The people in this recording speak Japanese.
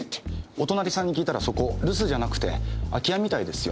お隣さんに訊いたらそこ留守じゃなくて空き家みたいですよ。